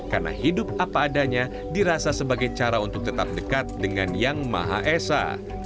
karena hidup apa adanya dirasa sebagai cara untuk tetap dekat dengan yang maha esa